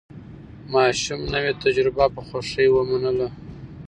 ماشوم نوې تجربه په خوښۍ ومنله